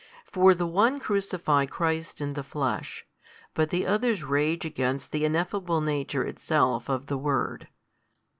For the one crucify Christ in the Flesh, but the others rage against the Ineffable Nature Itself of the Word.